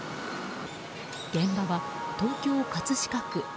現場は東京・葛飾区。